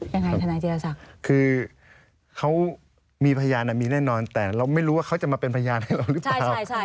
ทนายเจรศักดิ์คือเขามีพยานมีแน่นอนแต่เราไม่รู้ว่าเขาจะมาเป็นพยานให้เราหรือเปล่า